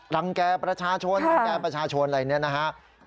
รังแก้ประชาชนรังแก้ประชาชนอะไรอย่างนี้นะฮะ